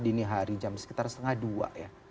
dini hari jam sekitar setengah dua ya